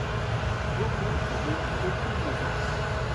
Beaucoup n'ont même aucune maison.